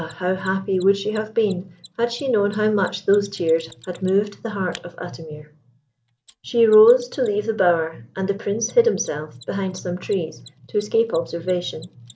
how happy would she have been had she known how much those tears had moved the heart of Atimir! She rose to leave the bower, and the Prince hid himself behind some trees to escape observation.